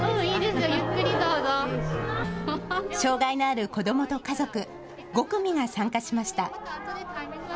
障害のある子どもと家族、５組が参加しました。